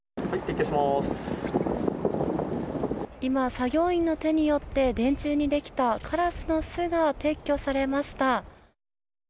今、作業員の手によって電柱にできたカラスの巣が撤去されました。